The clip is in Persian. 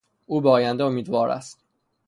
او به آینده امیدوار است.